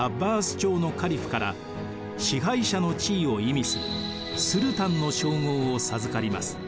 朝のカリフから支配者の地位を意味するスルタンの称号を授かります。